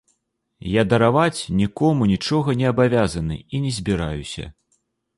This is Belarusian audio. Я дараваць нікому нічога не абавязаны, і не збіраюся.